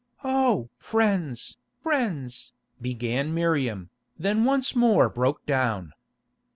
"Oh! friends, friends," began Miriam, then once more broke down.